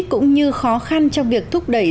cũng như khó khăn trong việc thúc đẩy